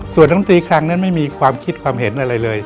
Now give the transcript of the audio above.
ส่วนลำตีครั้งนั้นไม่มีความคิดความเห็นอะไรเลย